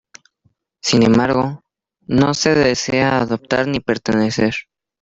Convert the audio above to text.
Sin embargo, no se desea adoptar ni pertenecer.